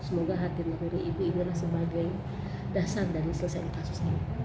semoga hati hati ibu ini adalah sebagai dasar dari selesai kasus ini